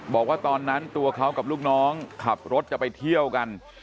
บอกว่าตอนนั้นตัวเขากับลูกน้องขับรถจะไปเที่ยวกัน